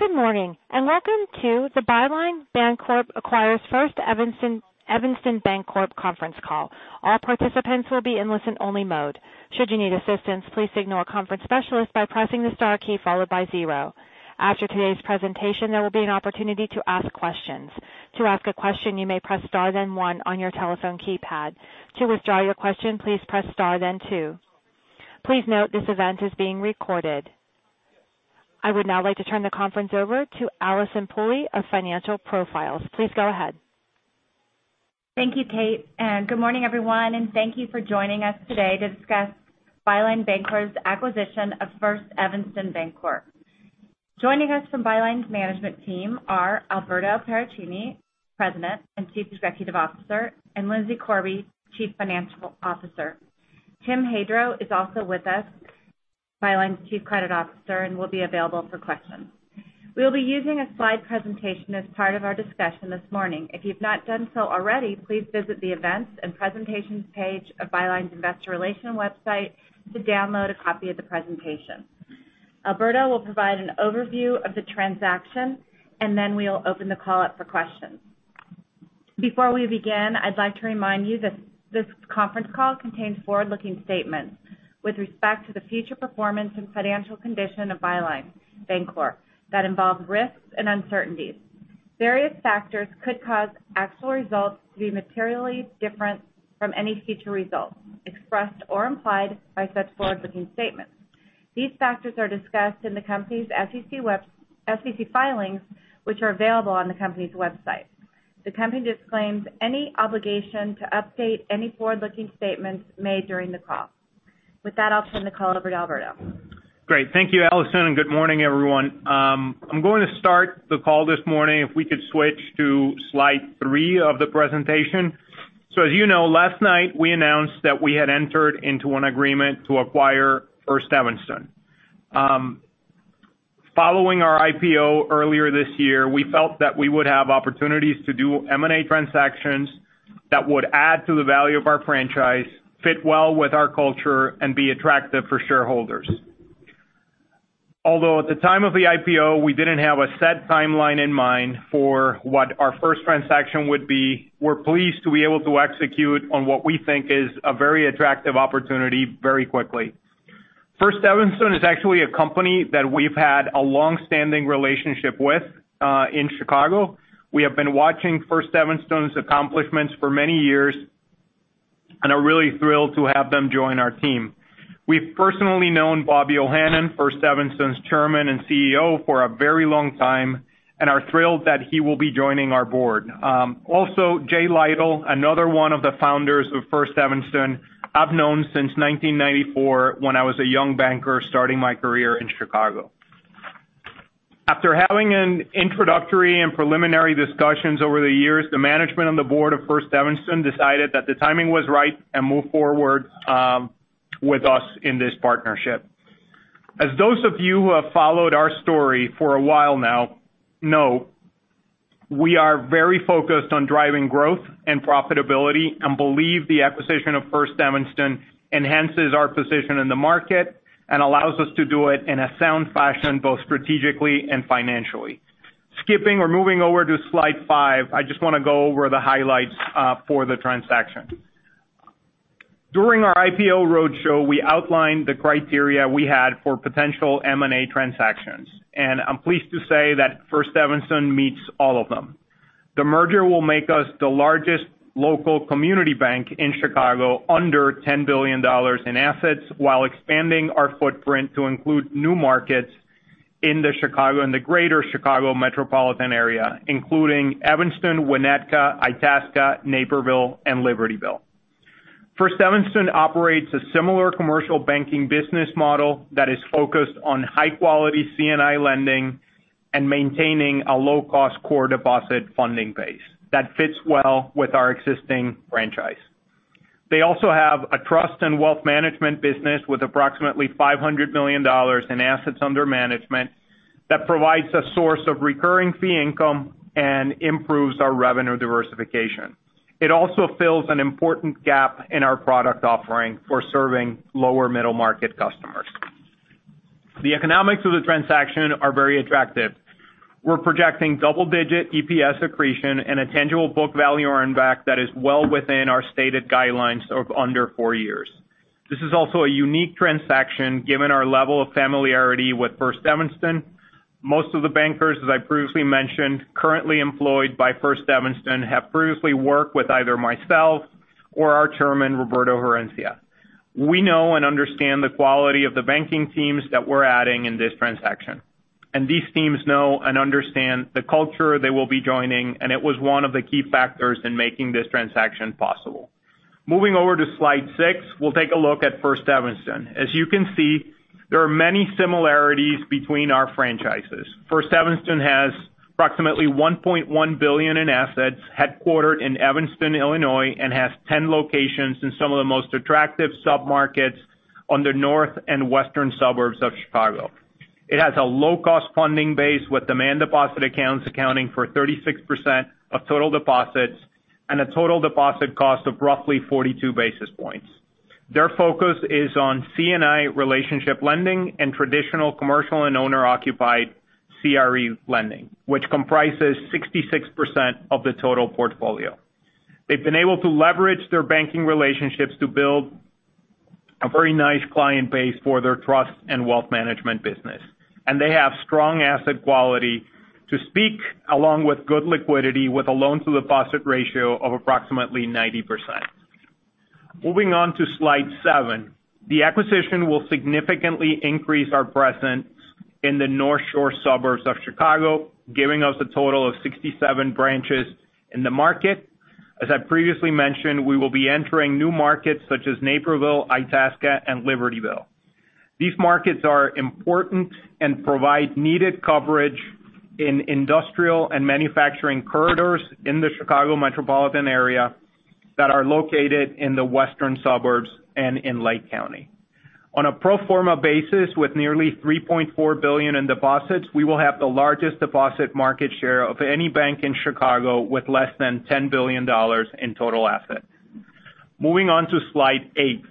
Good morning, welcome to the Byline Bancorp acquires First Evanston Bancorp conference call. All participants will be in listen-only mode. Should you need assistance, please signal a conference specialist by pressing the star key followed by zero. After today's presentation, there will be an opportunity to ask questions. To ask a question, you may press star then 1 on your telephone keypad. To withdraw your question, please press star then 2. Please note this event is being recorded. I would now like to turn the conference over to Allyson Pooley of Financial Profiles. Thank you, Kate, good morning, everyone, and thank you for joining us today to discuss Byline Bancorp's acquisition of First Evanston Bancorp. Joining us from Byline's management team are Alberto Paracchini, President and Chief Executive Officer, and Lindsay Corby, Chief Financial Officer. Tim Hadro is also with us, Byline's Chief Credit Officer, and will be available for questions. We'll be using a slide presentation as part of our discussion this morning. If you've not done so already, please visit the Events and Presentations page of Byline's Investor Relation website to download a copy of the presentation. Alberto will provide an overview of the transaction, and then we'll open the call up for questions. Before we begin, I'd like to remind you that this conference call contains forward-looking statements with respect to the future performance and financial condition of Byline Bancorp that involve risks and uncertainties. Various factors could cause actual results to be materially different from any future results expressed or implied by such forward-looking statements. These factors are discussed in the company's SEC filings, which are available on the company's website. The company disclaims any obligation to update any forward-looking statements made during the call. With that, I'll turn the call over to Alberto. Great. Thank you, Allyson, good morning, everyone. I'm going to start the call this morning. If we could switch to slide three of the presentation. As you know, last night we announced that we had entered into an agreement to acquire First Evanston. Following our IPO earlier this year, we felt that we would have opportunities to do M&A transactions that would add to the value of our franchise, fit well with our culture, and be attractive for shareholders. Although at the time of the IPO, we didn't have a set timeline in mind for what our first transaction would be. We're pleased to be able to execute on what we think is a very attractive opportunity very quickly. First Evanston is actually a company that we've had a longstanding relationship with, in Chicago. We have been watching First Evanston's accomplishments for many years and are really thrilled to have them join our team. We've personally known Bob Yohanan, First Evanston's Chairman and CEO, for a very long time and are thrilled that he will be joining our board. Also, Jay Lytle, another one of the founders of First Evanston, I've known since 1994 when I was a young banker starting my career in Chicago. After having an introductory and preliminary discussions over the years, the management and the board of First Evanston decided that the timing was right and moved forward with us in this partnership. As those of you who have followed our story for a while now know, we are very focused on driving growth and profitability and believe the acquisition of First Evanston enhances our position in the market and allows us to do it in a sound fashion, both strategically and financially. Skipping or moving over to slide five, I just want to go over the highlights for the transaction. During our IPO roadshow, we outlined the criteria we had for potential M&A transactions, and I'm pleased to say that First Evanston meets all of them. The merger will make us the largest local community bank in Chicago under $10 billion in assets while expanding our footprint to include new markets in the Chicago and the Greater Chicago metropolitan area, including Evanston, Winnetka, Itasca, Naperville, and Libertyville. First Evanston operates a similar commercial banking business model that is focused on high-quality C&I lending and maintaining a low-cost core deposit funding base that fits well with our existing franchise. They also have a trust and wealth management business with approximately $500 million in assets under management that provides a source of recurring fee income and improves our revenue diversification. It also fills an important gap in our product offering for serving lower middle-market customers. The economics of the transaction are very attractive. We're projecting double-digit EPS accretion and a tangible book value earn back that is well within our stated guidelines of under four years. This is also a unique transaction given our level of familiarity with First Evanston. Most of the bankers, as I previously mentioned, currently employed by First Evanston, have previously worked with either myself or our Chairman, Roberto Herencia. We know and understand the quality of the banking teams that we're adding in this transaction. These teams know and understand the culture they will be joining, and it was one of the key factors in making this transaction possible. Moving over to slide six, we'll take a look at First Evanston. As you can see, there are many similarities between our franchises. First Evanston has approximately $1.1 billion in assets, headquartered in Evanston, Illinois, and has 10 locations in some of the most attractive submarkets on the north and western suburbs of Chicago. It has a low-cost funding base with demand deposit accounts accounting for 36% of total deposits and a total deposit cost of roughly 42 basis points. Their focus is on C&I relationship lending and traditional commercial and owner-occupied CRE lending, which comprises 66% of the total portfolio. They've been able to leverage their banking relationships to build a very nice client base for their trust and wealth management business, and they have strong asset quality to speak, along with good liquidity, with a loan-to-deposit ratio of approximately 90%. Moving on to slide seven. The acquisition will significantly increase our presence in the North Shore suburbs of Chicago, giving us a total of 67 branches in the market. As I previously mentioned, we will be entering new markets such as Naperville, Itasca, and Libertyville. These markets are important and provide needed coverage in industrial and manufacturing corridors in the Chicago metropolitan area that are located in the western suburbs and in Lake County. On a pro forma basis, with nearly $3.4 billion in deposits, we will have the largest deposit market share of any bank in Chicago with less than $10 billion in total assets. Moving on to slide eight.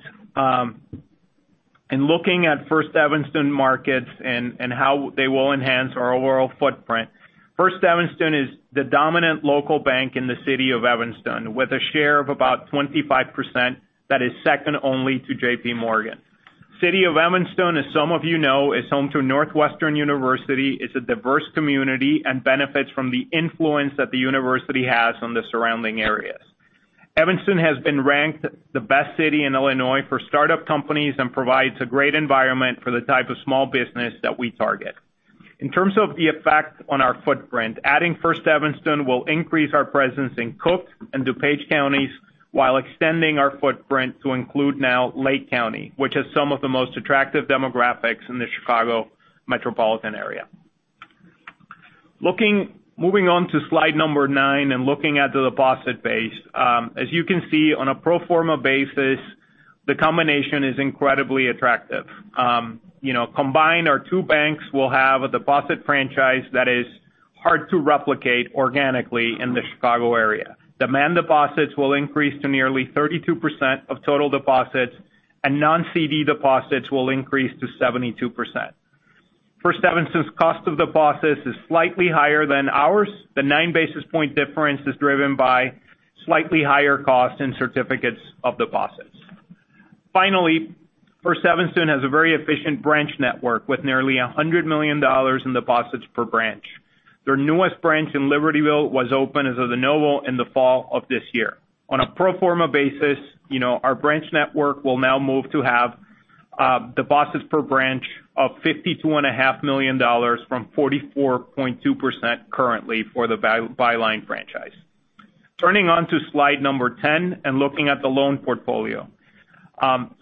In looking at First Evanston markets and how they will enhance our overall footprint, First Evanston is the dominant local bank in the city of Evanston with a share of about 25% that is second only to JPMorgan. City of Evanston, as some of you know, is home to Northwestern University, is a diverse community, and benefits from the influence that the university has on the surrounding areas. Evanston has been ranked the best city in Illinois for startup companies and provides a great environment for the type of small business that we target. In terms of the effect on our footprint, adding First Evanston will increase our presence in Cook and DuPage Counties while extending our footprint to include now Lake County, which has some of the most attractive demographics in the Chicago metropolitan area. Moving on to slide number nine and looking at the deposit base. As you can see, on a pro forma basis, the combination is incredibly attractive. Combined, our two banks will have a deposit franchise that is hard to replicate organically in the Chicago area. Demand deposits will increase to nearly 32% of total deposits, and non-CD deposits will increase to 72%. First Evanston's cost of deposits is slightly higher than ours. The nine basis point difference is driven by slightly higher costs in certificates of deposits. Finally, First Evanston has a very efficient branch network with nearly $100 million in deposits per branch. Their newest branch in Libertyville was opened as of November in the fall of this year. On a pro forma basis, our branch network will now move to have deposits per branch of $52.5 million from 44.2% currently for the Byline franchise. Turning on to slide number 10 and looking at the loan portfolio.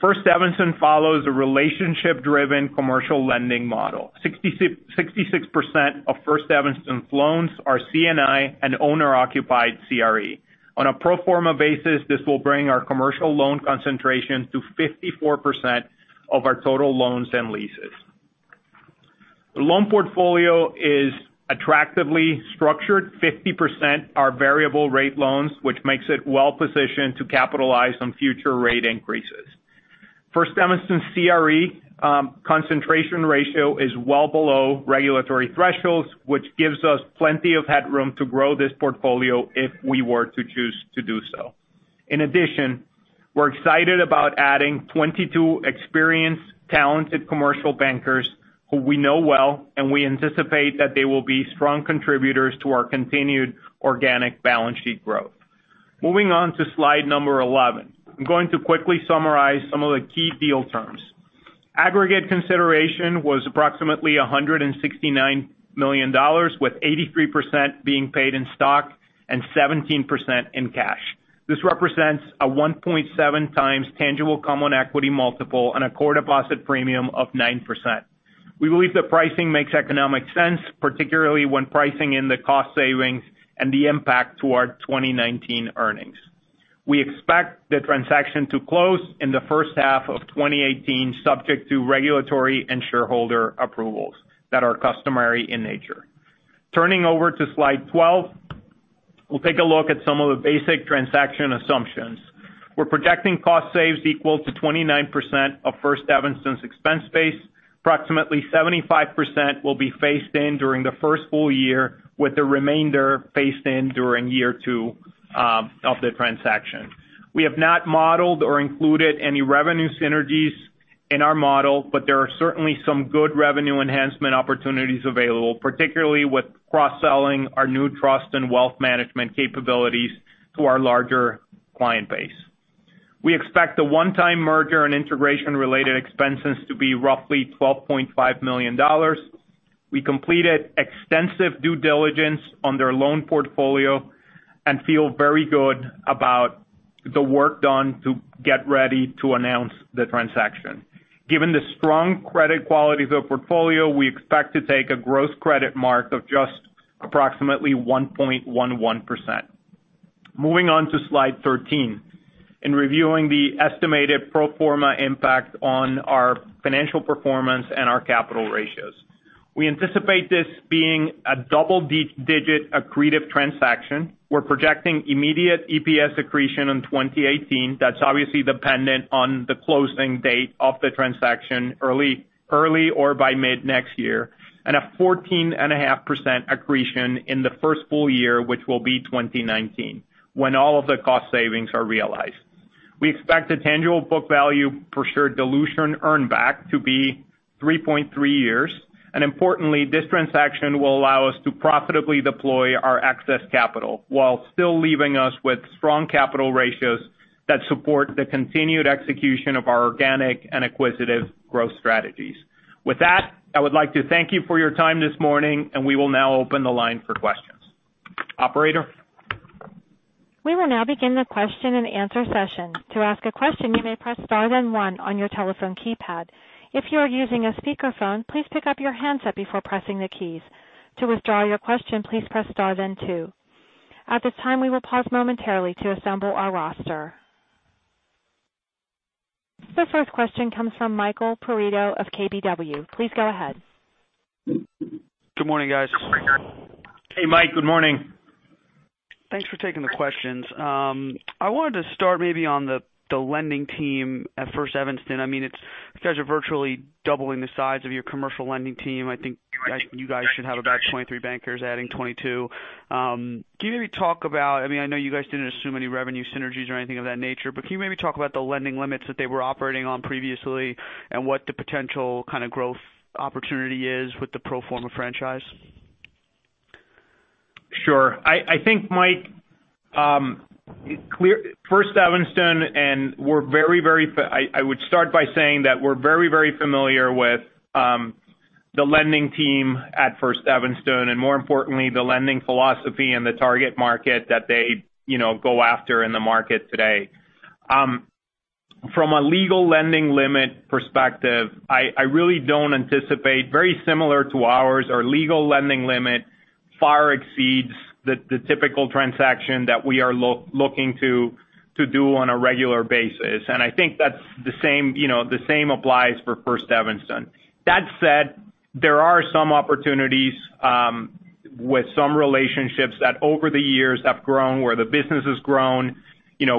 First Evanston follows a relationship-driven commercial lending model. 66% of First Evanston's loans are C&I and owner-occupied CRE. On a pro forma basis, this will bring our commercial loan concentration to 54% of our total loans and leases. The loan portfolio is attractively structured. 50% are variable rate loans, which makes it well-positioned to capitalize on future rate increases. First Evanston's CRE concentration ratio is well below regulatory thresholds, which gives us plenty of headroom to grow this portfolio if we were to choose to do so. In addition, we're excited about adding 22 experienced, talented commercial bankers who we know well, and we anticipate that they will be strong contributors to our continued organic balance sheet growth. Moving on to slide number 11. I'm going to quickly summarize some of the key deal terms. Aggregate consideration was approximately $169 million, with 83% being paid in stock and 17% in cash. This represents a 1.7 times tangible common equity multiple on a core deposit premium of 9%. We believe the pricing makes economic sense, particularly when pricing in the cost savings and the impact to our 2019 earnings. We expect the transaction to close in the first half of 2018, subject to regulatory and shareholder approvals that are customary in nature. Turning over to slide 12. We will take a look at some of the basic transaction assumptions. We are projecting cost saves equal to 29% of First Evanston's expense base. Approximately 75% will be phased in during the first full year, with the remainder phased in during year two of the transaction. We have not modeled or included any revenue synergies in our model, there are certainly some good revenue enhancement opportunities available, particularly with cross-selling our new trust and wealth management capabilities to our larger client base. We expect the one-time merger and integration-related expenses to be roughly $12.5 million. We completed extensive due diligence on their loan portfolio and feel very good about the work done to get ready to announce the transaction. Given the strong credit quality of the portfolio, we expect to take a gross credit mark of just approximately 1.11%. Moving on to slide 13, in reviewing the estimated pro forma impact on our financial performance and our capital ratios. We anticipate this being a double-digit accretive transaction. We are projecting immediate EPS accretion in 2018, that is obviously dependent on the closing date of the transaction early or by mid next year, and a 14.5% accretion in the first full year, which will be 2019, when all of the cost savings are realized. We expect a tangible book value per share dilution earn back to be 3.3 years. Importantly, this transaction will allow us to profitably deploy our excess capital while still leaving us with strong capital ratios that support the continued execution of our organic and acquisitive growth strategies. With that, I would like to thank you for your time this morning. We will now open the line for questions. Operator? We will now begin the question and answer session. To ask a question, you may press star then one on your telephone keypad. If you are using a speakerphone, please pick up your handset before pressing the keys. To withdraw your question, please press star then two. At this time, we will pause momentarily to assemble our roster. The first question comes from Michael Perito of KBW. Please go ahead. Good morning, guys. Hey, Mike. Good morning. Thanks for taking the questions. I wanted to start maybe on the lending team at First Evanston. You guys are virtually doubling the size of your commercial lending team. I think you guys should have about 23 bankers adding 22. Can you maybe talk about, I know you guys didn't assume any revenue synergies or anything of that nature, but can you maybe talk about the lending limits that they were operating on previously and what the potential kind of growth opportunity is with the pro forma franchise? Sure. I think Mike, First Evanston, I would start by saying that we're very familiar with the lending team at First Evanston, and more importantly, the lending philosophy and the target market that they go after in the market today. From a legal lending limit perspective, I really don't anticipate very similar to ours. Our legal lending limit far exceeds the typical transaction that we are looking to do on a regular basis. I think that's the same applies for First Evanston. That said, there are some opportunities with some relationships that over the years have grown, where the business has grown,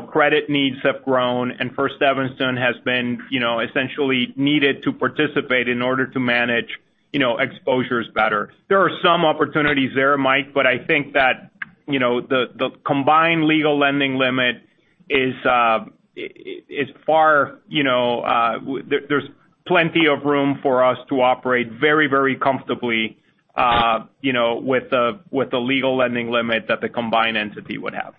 credit needs have grown, and First Evanston has been essentially needed to participate in order to manage exposures better. There are some opportunities there, Mike, but I think that the combined legal lending limit there's plenty of room for us to operate very comfortably with the legal lending limit that the combined entity would have.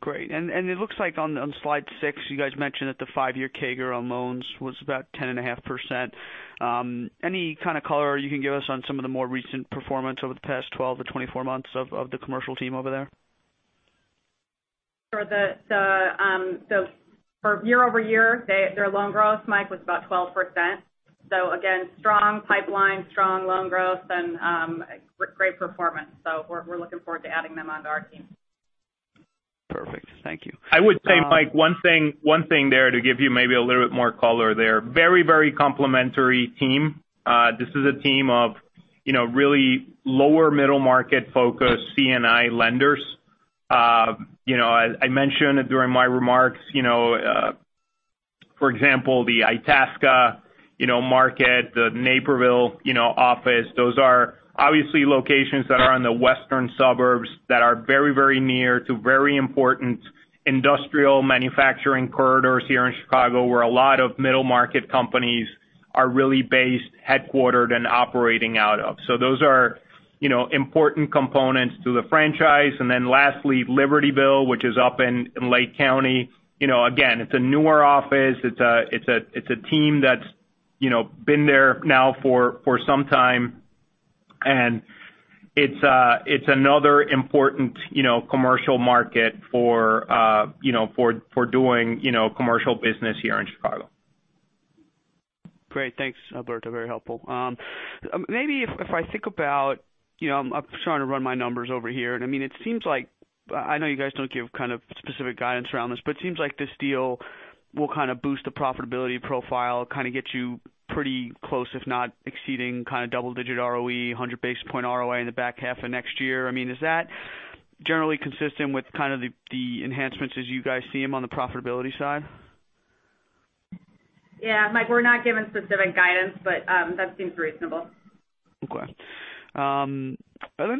Great. It looks like on slide six, you guys mentioned that the five-year CAGR on loans was about 10.5%. Any kind of color you can give us on some of the more recent performance over the past 12 to 24 months of the commercial team over there? For year-over-year, their loan growth, Mike, was about 12%. Again, strong pipeline, strong loan growth, and great performance. We're looking forward to adding them onto our team. Perfect. Thank you. I would say, Mike, one thing there to give you maybe a little bit more color there. Very complimentary team. This is a team of really lower middle market focused C&I lenders. I mentioned during my remarks for example, the Itasca market, the Naperville office. Those are obviously locations that are on the western suburbs that are very near to very important industrial manufacturing corridors here in Chicago, where a lot of middle market companies are really based, headquartered, and operating out of. Those are important components to the franchise. Lastly, Libertyville, which is up in Lake County. Again, it's a newer office. It's a team that's been there now for some time, and it's another important commercial market for doing commercial business here in Chicago. Great. Thanks, Alberto. Very helpful. Maybe if I think about, I'm trying to run my numbers over here, and it seems like, I know you guys don't give kind of specific guidance around this, but it seems like this deal will kind of boost the profitability profile, kind of get you pretty close, if not exceeding kind of double-digit ROE, 100 basis point ROA in the back half of next year. Is that generally consistent with kind of the enhancements as you guys see them on the profitability side? Yeah. Mike, we're not giving specific guidance, but that seems reasonable. Okay.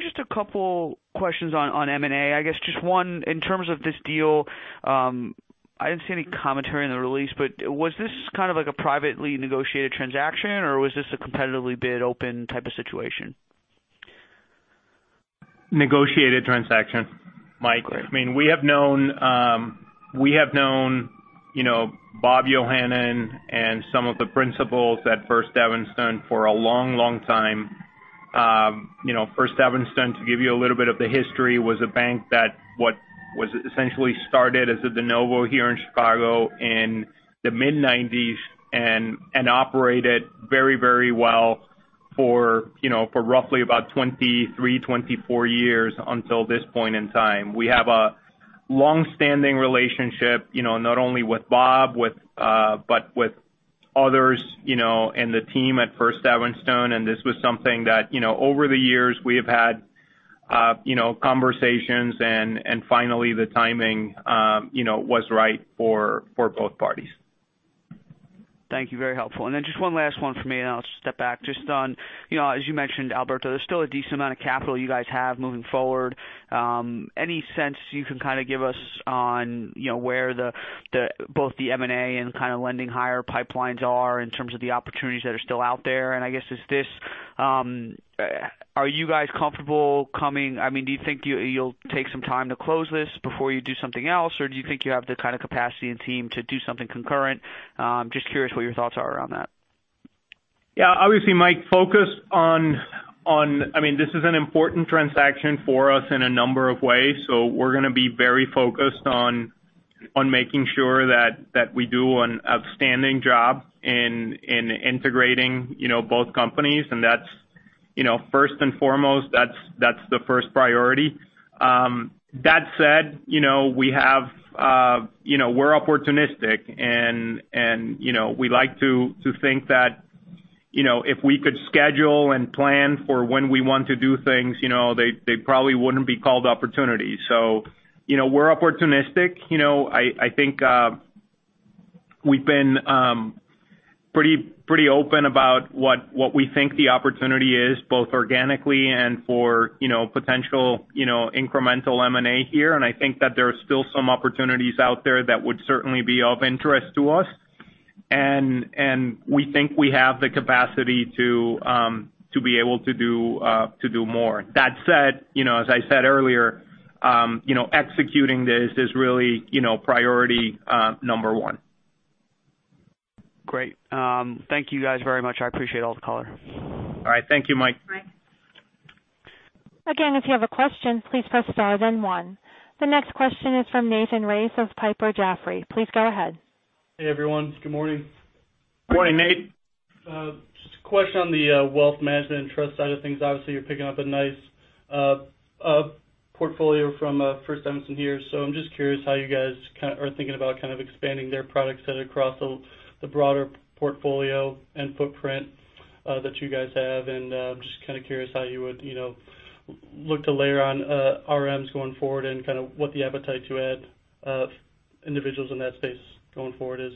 Just a couple questions on M&A. I guess just one, in terms of this deal, I didn't see any commentary in the release, but was this kind of like a privately negotiated transaction, or was this a competitively bid open type of situation? Negotiated transaction, Mike. Great. We have known Robert Yohanan and some of the principals at First Evanston for a long time. First Evanston, to give you a little bit of the history, was a bank that was essentially started as a de novo here in Chicago in the mid-'90s and operated very well for roughly about 23, 24 years until this point in time. We have a long-standing relationship not only with Bob, but with others and the team at First Evanston. This was something that over the years we have had conversations and finally the timing was right for both parties. Thank you. Very helpful. Then just one last one for me, then I'll step back. Just on, as you mentioned, Alberto, there's still a decent amount of capital you guys have moving forward. Any sense you can kind of give us on where both the M&A and kind of lending higher pipelines are in terms of the opportunities that are still out there? I guess, are you guys comfortable do you think you'll take some time to close this before you do something else? Or do you think you have the kind of capacity and team to do something concurrent? Just curious what your thoughts are around that. Obviously, Mike, this is an important transaction for us in a number of ways. We're going to be very focused on making sure that we do an outstanding job in integrating both companies. First and foremost, that's the first priority. That said, we're opportunistic and we like to think that if we could schedule and plan for when we want to do things, they probably wouldn't be called opportunities. We're opportunistic. I think we've been pretty open about what we think the opportunity is, both organically and for potential incremental M&A here. I think that there are still some opportunities out there that would certainly be of interest to us. We think we have the capacity to be able to do more. That said, as I said earlier executing this is really priority number 1. Great. Thank you guys very much. I appreciate all the color. All right. Thank you, Mike. Again, if you have a question, please press star then one. The next question is from Nathan Race of Piper Jaffray. Please go ahead. Hey, everyone. Good morning. Morning, Nate. Just a question on the wealth management and trust side of things. Obviously, you're picking up a nice portfolio from First Evanston here. I'm just curious how you guys are thinking about kind of expanding their product set across the broader portfolio and footprint that you guys have. Just kind of curious how you would look to layer on RMs going forward and kind of what the appetite to add individuals in that space going forward is.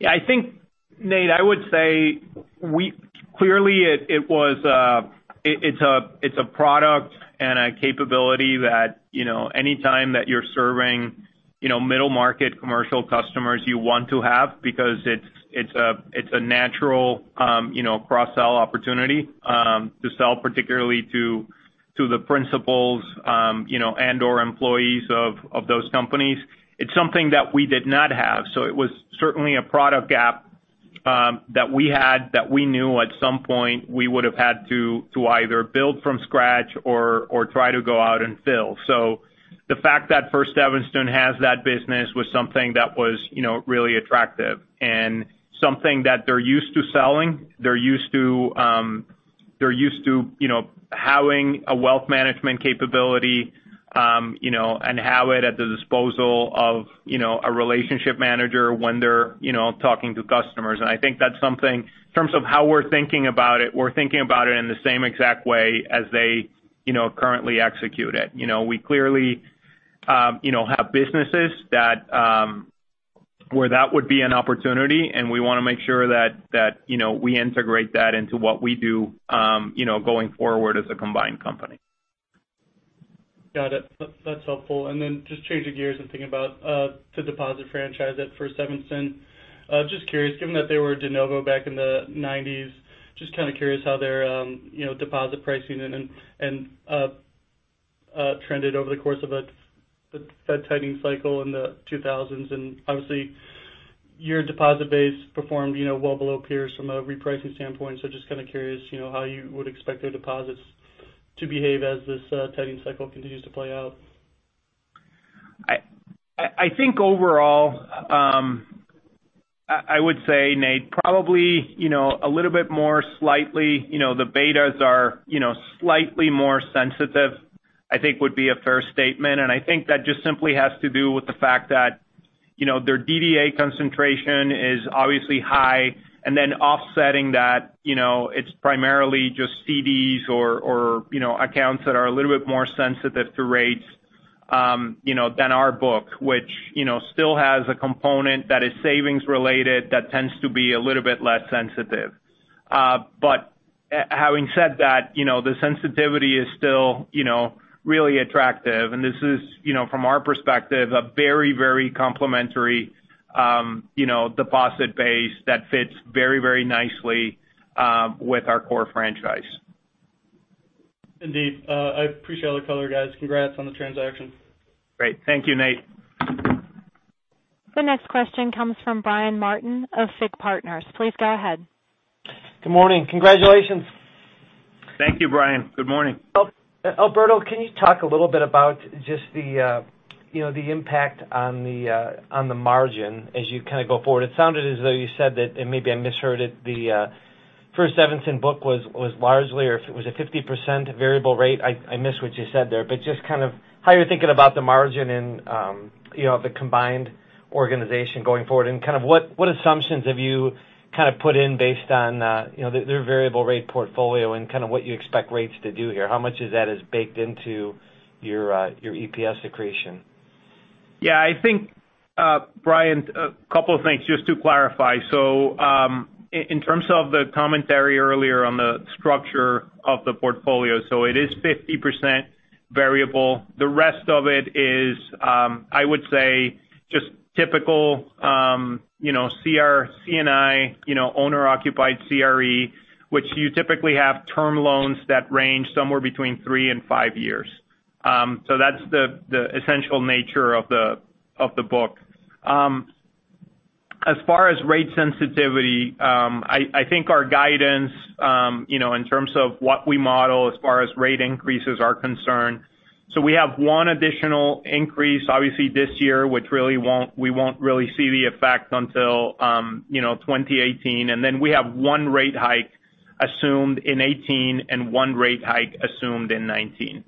Yeah, I think, Nate, I would say clearly it's a product and a capability that any time that you're serving middle market commercial customers you want to have because it's a natural cross-sell opportunity to sell particularly to the principals and/or employees of those companies. It's something that we did not have. It was certainly a product gap that we had that we knew at some point we would've had to either build from scratch or try to go out and fill. The fact that First Evanston has that business was something that was really attractive and something that they're used to selling. They're used to having a wealth management capability, and have it at the disposal of a relationship manager when they're talking to customers. I think that's something, in terms of how we're thinking about it, we're thinking about it in the same exact way as they currently execute it. We clearly have businesses where that would be an opportunity, and we want to make sure that we integrate that into what we do going forward as a combined company. Got it. That's helpful. Just changing gears and thinking about the deposit franchise at First Evanston. Just curious, given that they were de novo back in the 1990s, just kind of curious how their deposit pricing trended over the course of a Fed tightening cycle in the 2000s. Obviously, your deposit base performed well below peers from a repricing standpoint. Just kind of curious how you would expect their deposits to behave as this tightening cycle continues to play out. I think overall, I would say, Nate, probably a little bit more slightly, the betas are slightly more sensitive, I think would be a fair statement. I think that just simply has to do with the fact that their DDA concentration is obviously high. Offsetting that, it's primarily just CDs or accounts that are a little bit more sensitive to rates than our book, which still has a component that is savings related that tends to be a little bit less sensitive. Having said that, the sensitivity is still really attractive. This is from our perspective, a very complimentary deposit base that fits very nicely with our core franchise. Indeed. I appreciate all the color, guys. Congrats on the transaction. Great. Thank you, Nate. The next question comes from Brian Martin of FIG Partners. Please go ahead. Good morning. Congratulations. Thank you, Brian. Good morning. Alberto, can you talk a little bit about just the impact on the margin as you kind of go forward? It sounded as though you said that, and maybe I misheard it, the First Evanston book was largely, or if it was a 50% variable rate. I missed what you said there, but just how you're thinking about the margin and the combined organization going forward, and what assumptions have you put in based on their variable rate portfolio and what you expect rates to do here? How much of that is baked into your EPS accretion? Yeah. I think, Brian, a couple of things just to clarify. In terms of the commentary earlier on the structure of the portfolio, it is 50% variable. The rest of it is, I would say, just typical C&I, owner-occupied CRE, which you typically have term loans that range somewhere between three and five years. That's the essential nature of the book. As far as rate sensitivity, I think our guidance in terms of what we model as far as rate increases are concerned. We have one additional increase, obviously, this year, which we won't really see the effect until 2018. Then we have one rate hike assumed in 2018 and one rate hike assumed in 2019.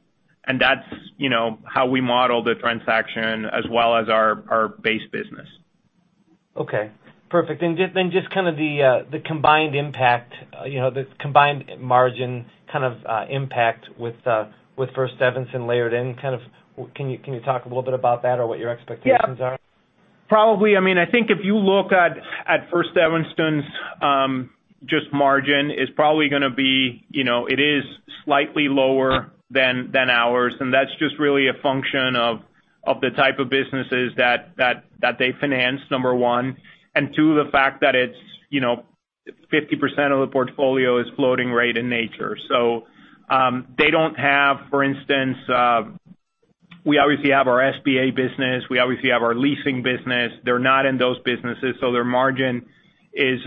That's how we model the transaction as well as our base business. Okay, perfect. Just the combined impact, the combined margin impact with First Evanston layered in. Can you talk a little bit about that or what your expectations are? Yeah. Probably, I think if you look at First Evanston's just margin is probably going to be, it is slightly lower than ours. That's just really a function of the type of businesses that they finance, number one. Two, the fact that it's 50% of the portfolio is floating rate in nature. They don't have, for instance, we obviously have our SBA business. We obviously have our leasing business. They're not in those businesses, so their margin is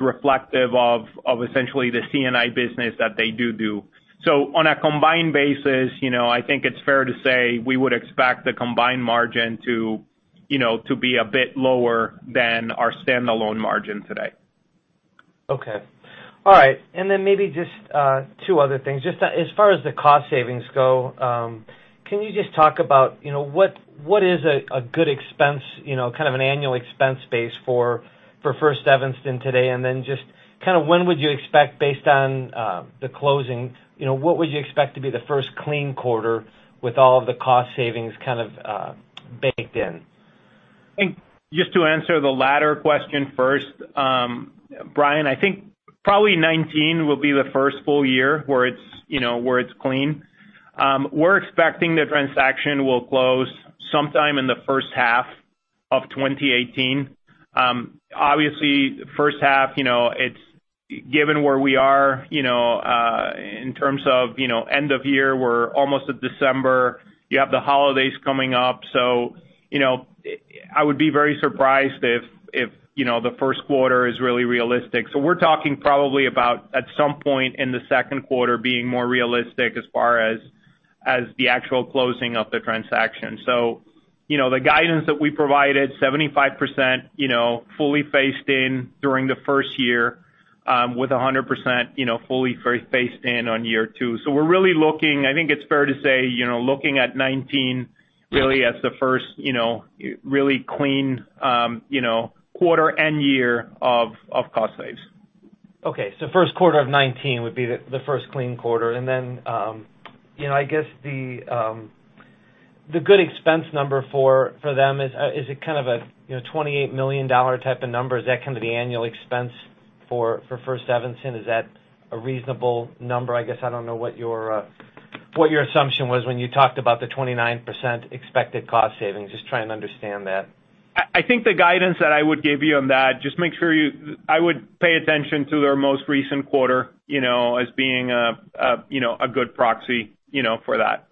reflective of essentially the C&I business that they do. On a combined basis, I think it's fair to say we would expect the combined margin to be a bit lower than our standalone margin today. Okay. All right. Maybe just two other things. Just as far as the cost savings go, can you just talk about what is a good expense, kind of an annual expense base for First Evanston today? Just when would you expect based on the closing, what would you expect to be the first clean quarter with all of the cost savings baked in? I think just to answer the latter question first. Brian, I think probably 2019 will be the first full year where it's clean. We're expecting the transaction will close sometime in the first half of 2018. Obviously, first half, given where we are in terms of end of year, we're almost at December. You have the holidays coming up. I would be very surprised if the first quarter is really realistic. We're talking probably about at some point in the second quarter being more realistic as far as the actual closing of the transaction. The guidance that we provided, 75% fully phased in during the first year with 100% fully phased in on year two. I think it's fair to say, looking at 2019 really as the first really clean quarter and year of cost saves. Okay. First quarter of 2019 would be the first clean quarter. I guess the good expense number for them is it kind of a $28 million type of number? Is that kind of the annual expense for First Evanston? Is that a reasonable number? I guess I don't know what your assumption was when you talked about the 29% expected cost savings. Just trying to understand that. I think the guidance that I would give you on that, just make sure I would pay attention to their most recent quarter as being a good proxy for that.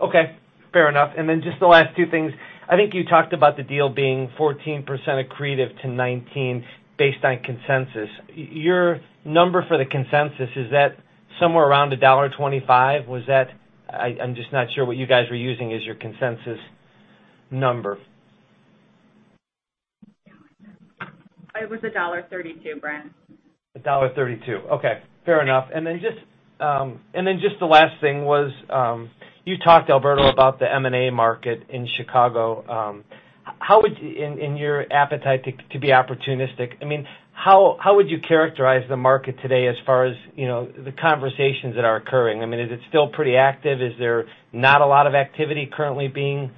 Okay, fair enough. Just the last two things. I think you talked about the deal being 14% accretive to 2019 based on consensus. Your number for the consensus, is that somewhere around $1.25? I'm just not sure what you guys were using as your consensus number. It was $1.32, Brian. $1.32. Okay, fair enough. Just the last thing was, you talked Alberto about the M&A market in Chicago. In your appetite to be opportunistic, how would you characterize the market today as far as the conversations that are occurring? Is it still pretty active? Is there not a lot of activity currently being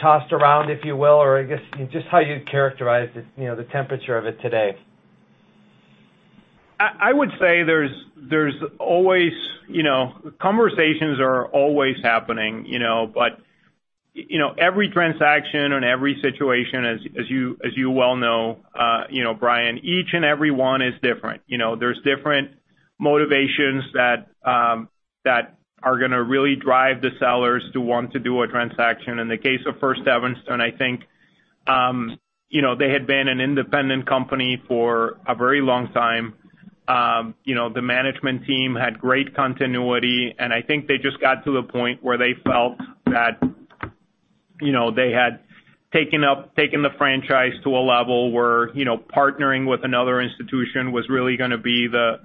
tossed around, if you will? I guess, just how you'd characterize the temperature of it today. I would say conversations are always happening. Every transaction and every situation, as you well know Brian, each and every one is different. There's different motivations that are going to really drive the sellers to want to do a transaction. In the case of First Evanston, I think they had been an independent company for a very long time. The management team had great continuity, and I think they just got to a point where they felt that they had taken the franchise to a level where partnering with another institution was really going to be the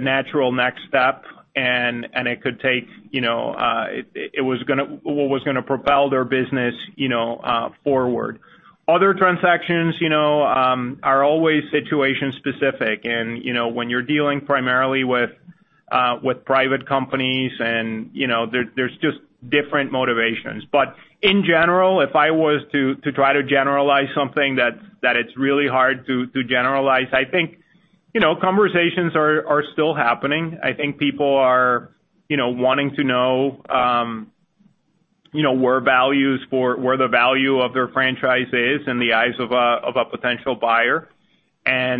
natural next step, and what was going to propel their business forward. Other transactions are always situation specific, and when you're dealing primarily with private companies, there's just different motivations. In general, if I was to try to generalize something that it's really hard to generalize, I think conversations are still happening. I think people are wanting to know where the value of their franchise is in the eyes of a potential buyer. I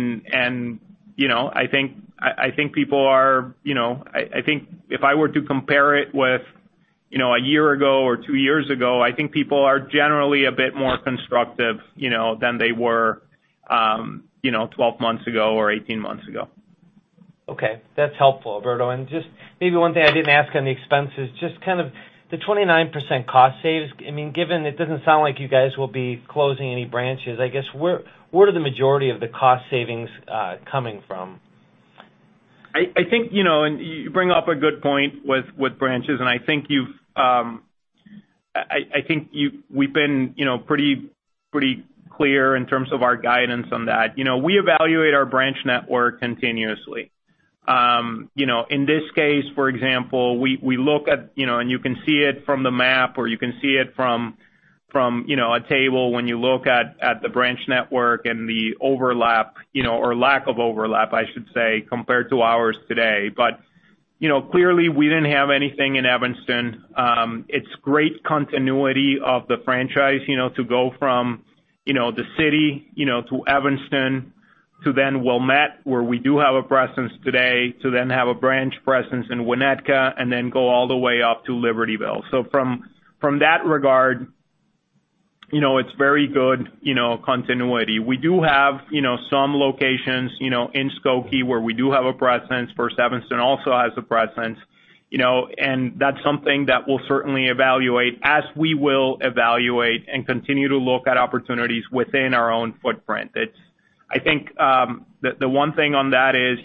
think if I were to compare it with a year ago or two years ago, I think people are generally a bit more constructive than they were 12 months ago or 18 months ago. Okay. That's helpful, Alberto. Just maybe one thing I didn't ask on the expenses, just kind of the 29% cost saves. Given it doesn't sound like you guys will be closing any branches, I guess where do the majority of the cost savings coming from? You bring up a good point with branches, and I think we've been pretty clear in terms of our guidance on that. We evaluate our branch network continuously. In this case, for example, you can see it from the map, or you can see it from a table when you look at the branch network and the overlap, or lack of overlap, I should say, compared to ours today. Clearly we didn't have anything in Evanston. It's great continuity of the franchise to go from the city to Evanston to then Wilmette, where we do have a presence today, to then have a branch presence in Winnetka, and then go all the way up to Libertyville. From that regard, it's very good continuity. We do have some locations in Skokie where we do have a presence. First Evanston also has a presence. That's something that we'll certainly evaluate as we will evaluate and continue to look at opportunities within our own footprint. I think the one thing on that is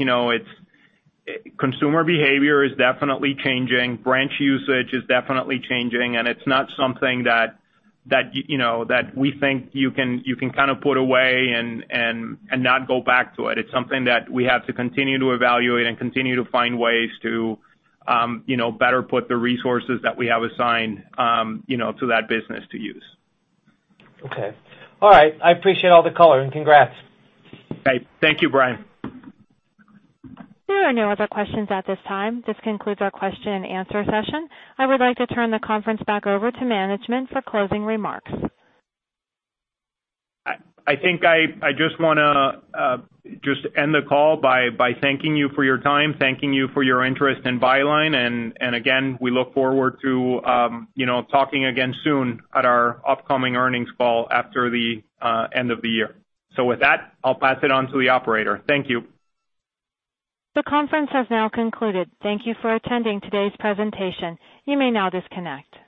consumer behavior is definitely changing. Branch usage is definitely changing, and it's not something that we think you can kind of put away and not go back to it. It's something that we have to continue to evaluate and continue to find ways to better put the resources that we have assigned to that business to use. Okay. All right. I appreciate all the color and congrats. Okay. Thank you, Brian. There are no other questions at this time. This concludes our question and answer session. I would like to turn the conference back over to management for closing remarks. I think I just want to end the call by thanking you for your time, thanking you for your interest in Byline, and again, we look forward to talking again soon at our upcoming earnings call after the end of the year. With that, I'll pass it on to the operator. Thank you. The conference has now concluded. Thank you for attending today's presentation. You may now disconnect.